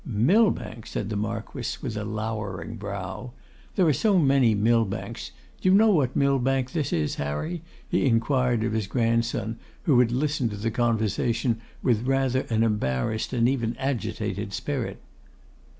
'Millbank!' said the Marquess, with a lowering brow. 'There are so many Millbanks. Do you know what Millbank this is, Harry?' he inquired of his grandson, who had listened to the conversation with a rather embarrassed and even agitated spirit.